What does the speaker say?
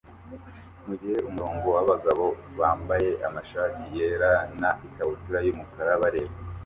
mugihe umurongo wabagabo bambaye amashati yera na ikabutura yumukara bareba